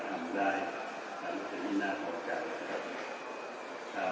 เหมือนช่างกันต้อนรับขอบใจนะครับ